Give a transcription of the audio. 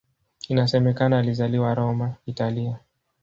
Inasemekana alizaliwa Roma, Italia.